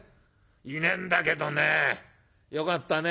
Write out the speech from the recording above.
いねえんだけどねよかったね